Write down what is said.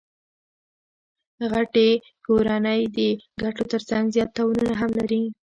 غټي کورنۍ د ګټو ترڅنګ زیات تاوانونه هم لري.